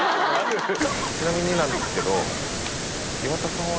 ちなみになんですけど。